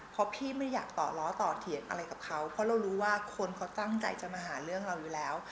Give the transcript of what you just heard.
เพราะพี่ไม่อยากต่อล้อต่อเถียงอะไรกับเขาเพราะเรารู้ว่าคนเขาตั้งใจจะมาหาเรื่องเราอยู่แล้ว